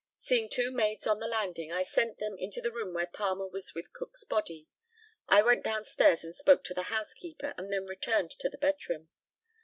Seeing two maids on the landing, I sent them into the room where Palmer was with Cook's body. I went downstairs and spoke to the housekeeper, and then returned to the bedroom.